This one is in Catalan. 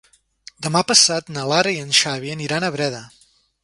Demà passat na Lara i en Xavi aniran a Breda.